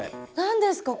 何ですか？